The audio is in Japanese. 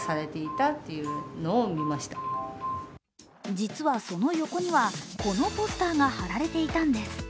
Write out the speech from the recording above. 実はその横には、このポスターが貼られていたんです。